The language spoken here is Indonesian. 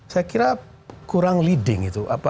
saya kira kurang leading itu